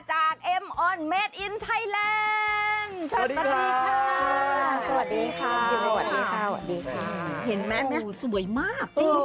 เห็นไหมสวยมาก